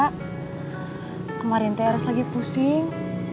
kemarin teh er lagi pusing